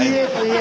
え！